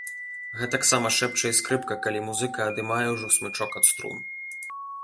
Гэтаксама шэпча і скрыпка, калі музыка адымае ўжо смычок ад струн.